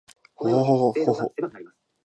ほほほほほっ h